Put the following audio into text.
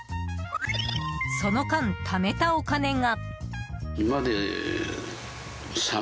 その間、ためたお金が。